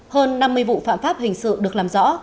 hơn năm mươi vụ phạm pháp hình sự được làm rõ